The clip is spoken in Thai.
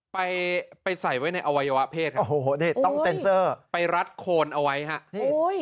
ไปใส่ไว้ในอวัยวะเพศครับไปรัดโคนเอาไว้ครับ